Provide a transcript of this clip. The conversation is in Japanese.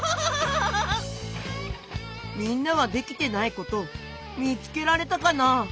みんなはできてないことみつけられたかな？